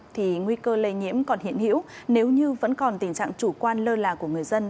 thì nguy cơ lây nhiễm còn hiện hữu nếu như vẫn còn tình trạng chủ quan lơ là của người dân